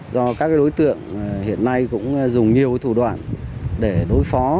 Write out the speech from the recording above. do các đối tượng hiện nay cũng dùng nhiều thủ đoạn để đối phó